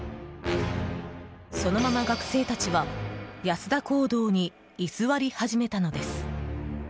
そのまま学生たちは安田講堂に居座り始めたのです。